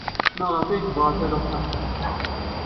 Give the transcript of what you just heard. Maɣef ay tebɣa talɣut-a?